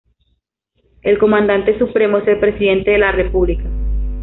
El Comandante Supremo es el Presidente de la República.